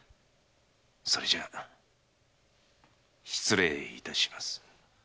それじゃ失礼いたします。